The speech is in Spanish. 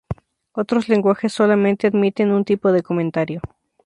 Otros lenguajes solamente admiten un tipo de comentario.